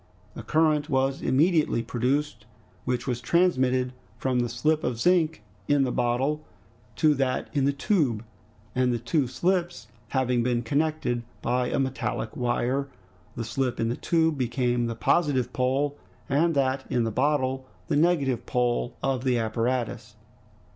A current was immediately produced, which was transmitted from the slip of zinc in the bottle to that in the tube, and the two slips having been connected by a metallic wire the slip in the tube became the positive pole, and that in the bottle the negative pole of the apparatus.